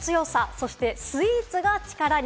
そしてスイーツが力に。